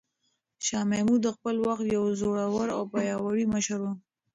شاه محمود د خپل وخت یو زړور او پیاوړی مشر و.